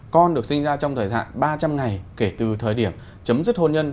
con được sinh ra trong thời gian ba trăm linh ngày kể từ thời điểm chấm dứt hôn nhân